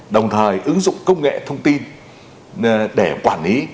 đồng thời ứng dụng công nghệ thông tin để quản lý